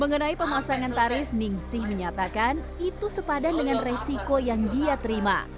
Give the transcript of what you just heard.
mengenai pemasangan tarif ningsih menyatakan itu sepadan dengan resiko yang dia terima